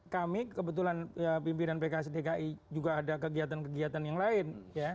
kami kebetulan pimpinan pks dki juga ada kegiatan kegiatan yang lain